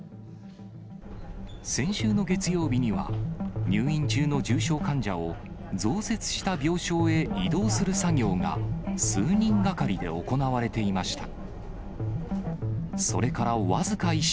先週の月曜日には、入院中の重症患者を増設した病床へ移動する作業が、数人がかりで行われていました。